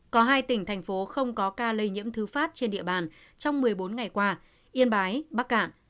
có hai tỉnh thành phố không có ca lây nhiễm thứ phát trên địa bàn trong một mươi bốn ngày qua yên bái bắc cạn